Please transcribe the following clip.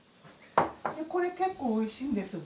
これ結構おいしいんですよ。